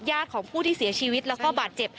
ของผู้ที่เสียชีวิตแล้วก็บาดเจ็บ